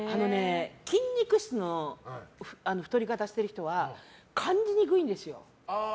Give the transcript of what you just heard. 筋肉質の太り方してる人は感じにくいんですよ。